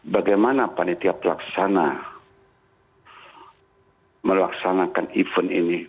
bagaimana panitia pelaksana melaksanakan event ini